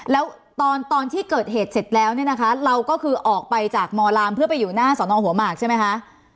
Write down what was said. แล้วตอนที่เกิดเหตุเสร็จแล้วเนี่ยนะคะเราก็คือออกไปจากมลามเพื่อไปอยู่หน้าสอนองหัวหมากใช่ไหมคะ